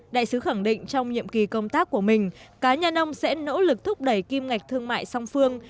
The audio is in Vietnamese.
đại sứ khẳng định trong nhiệm kỳ công tác của mình cá nhân ông sẽ nỗ lực thúc đẩy kim ngạch thương mại song phương